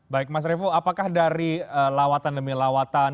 baik mas revo apakah dari lawatan demi lawatan